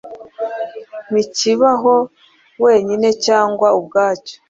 Ntikibaho wenyine cyangwa ubwacyo.